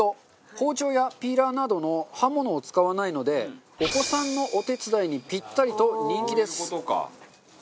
包丁やピーラーなどの刃物を使わないのでお子さんのお手伝いにピッタリと人気です。